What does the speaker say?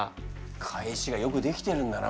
返しがよく出来てるんだな